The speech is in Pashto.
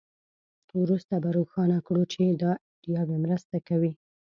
وروسته به روښانه کړو چې دا ایډیاوې مرسته کوي